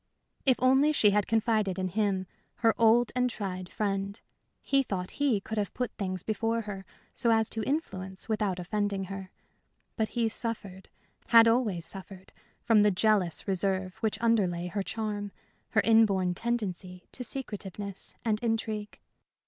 If only she had confided in him her old and tried friend he thought he could have put things before her, so as to influence without offending her. But he suffered had always suffered from the jealous reserve which underlay her charm, her inborn tendency to secretiveness and intrigue.